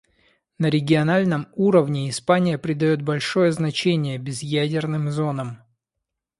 На региональном уровне Испания придает большое значение безъядерным зонам.